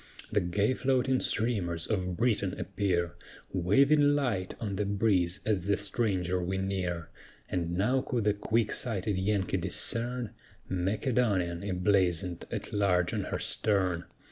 The gay floating streamers of Britain appear, Waving light on the breeze as the stranger we near; And now could the quick sighted Yankee discern "Macedonian," emblazoned at large on her stern.